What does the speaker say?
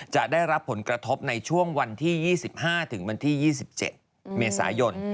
จะได้รับผลกระทบในช่วงวันที่๒๕ถึงวันที่๒๗เมษายน